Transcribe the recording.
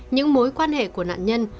những mối quan hệ của nạn nhân